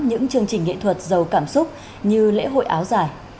những chương trình nghệ thuật giàu cảm xúc như lễ hội áo dài